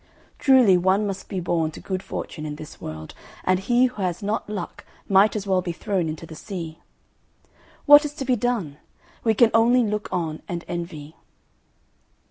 Truly one must be born to good fortune in this world, and he who has not luck might as well be thrown into the sea. What is to be done? We can only look on and envy."